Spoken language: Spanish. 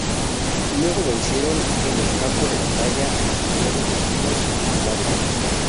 Luego vencieron en el campo de batalla a sus nuevos vecinos, los vándalos.